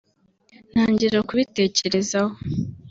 ntangira kubitekerezaho